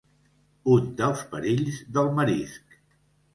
Un dels perills del marisc.